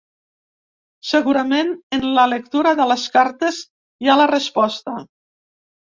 Segurament en la lectura de les cartes hi ha la resposta.